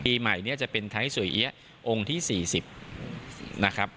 ปีใหม่เนี่ยจะเป็นไทยสวยเอี๊ยะองค์ที่๔๐นะครับ